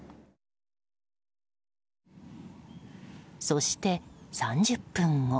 そして、３０分後。